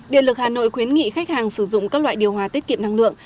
điện lực hà nội khuyến nghị khách hàng sử dụng các loại điều hòa tiết kiệm năng lượng